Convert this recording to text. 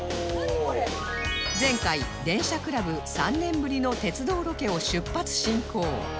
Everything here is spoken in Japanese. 前回電車クラブ３年ぶりの鉄道ロケを出発進行